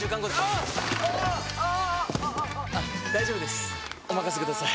ニャー大丈夫ですおまかせください！